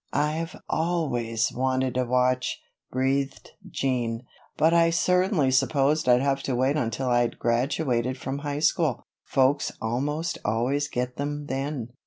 "I've always wanted a watch," breathed Jean, "but I certainly supposed I'd have to wait until I'd graduated from high school folks almost always get them then."